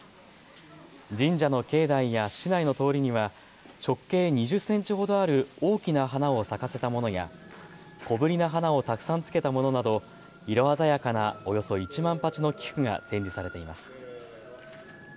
神社の境内や市内の通りには直径２０センチほどある大きな花を咲かせたものや小ぶりな花をたくさんつけたものなど色鮮やかなおよそ１万鉢の菊が展示されています。